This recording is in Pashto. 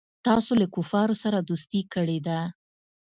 تاسو له کفارو سره دوستي کړې ده.